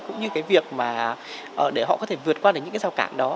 cũng như việc để họ có thể vượt qua những rào cản đó